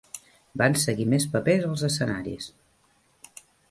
Van seguir més papers als escenaris.